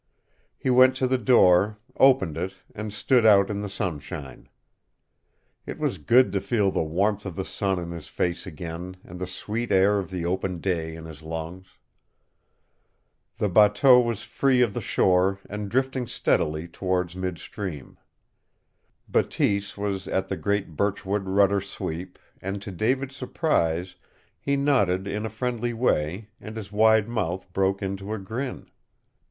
He went to the door, opened it, and stood out in the sunshine. It was good to feel the warmth of the sun in his face again and the sweet air of the open day in his lungs. The bateau was free of the shore and drifting steadily towards midstream. Bateese was at the great birchwood rudder sweep, and to David's surprise he nodded in a friendly way, and his wide mouth broke into a grin.